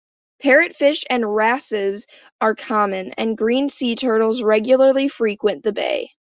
Parrotfish and wrasses are common, and green sea turtles regularly frequent the bay.